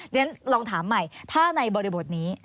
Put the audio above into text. เรียนลองถามใหม่ถ้าในบริบทนี้